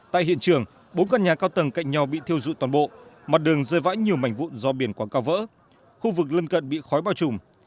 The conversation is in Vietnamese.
tại hiện trường bốn căn nhà cao tầng cạnh nhau bị thiêu dụi toàn bộ mặt đường rơi vãi nhiều mảnh vụn do biển quảng cáo cao vỡ khu vực lân cận bị khói bao trùm